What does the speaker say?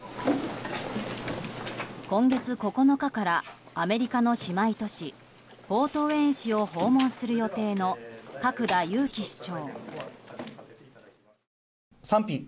今月９日からアメリカの姉妹都市フォートウェーン市を訪問する予定の角田悠紀市長。